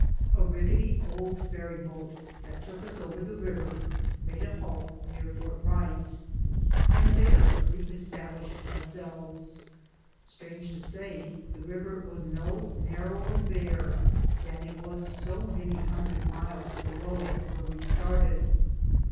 A rickety old ferryboat that took us over the river made a halt near Fort Rice, and there we established ourselves. Strange to say, the river was no narrower there than it was so many hundred miles below, where we started.